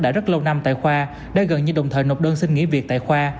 đã rất lâu năm tại khoa đã gần như đồng thời nộp đơn xin nghỉ việc tại khoa